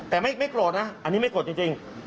แต่ไม่โกรธนะอันนี้ไม่โกรธจริง